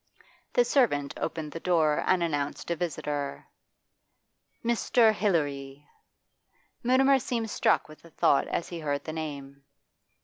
The servant opened the door and announced a visitor 'Mr. Hilary.' Mutimer seemed struck with a thought as he heard the name.